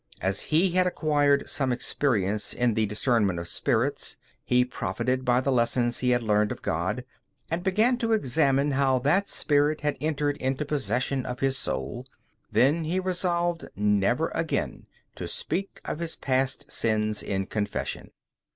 As he had acquired some experience in the discernment of spirits, he profited by the lessons he had learned of God, and began to examine how that spirit had entered into possession of his soul; then he resolved never again to speak of his past sins in confession.